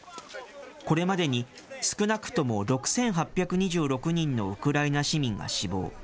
これまでに、少なくとも６８２６人のウクライナ市民が死亡。